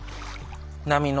波の。